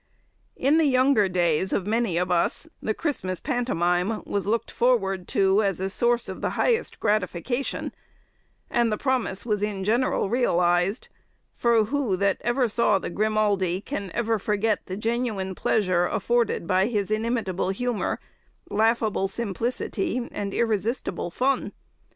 In the younger days of many of us the Christmas Pantomime was looked forward to as a source of the highest gratification, and the promise was in general realized; for who that ever saw the Grimaldi can ever forget the genuine pleasure afforded by his inimitable humour, laughable simplicity, and irresistible fun?